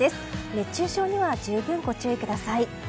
熱中症には十分ご注意ください。